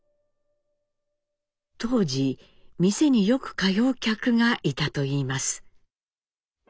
当時店によく通う客がいたといいます。